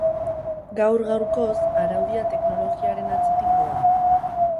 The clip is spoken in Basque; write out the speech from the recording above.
Gaur gaurkoz, araudia teknologiaren atzetik doa.